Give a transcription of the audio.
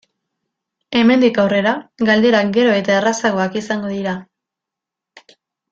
Hemendik aurrera galderak gero eta errazagoak izango dira.